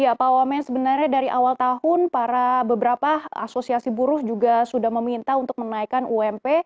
ya pak wamen sebenarnya dari awal tahun para beberapa asosiasi buruh juga sudah meminta untuk menaikkan ump